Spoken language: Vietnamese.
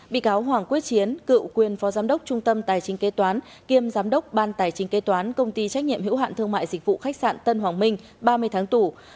bị cáo hoàng quyết chiến cựu quyền phó giám đốc trung tâm tài chính kế toán kiêm giám đốc ban tài chính kế toán công ty trách nhiệm hữu hạn thương mại dịch vụ khách sạn tân hoàng minh ba mươi tháng tù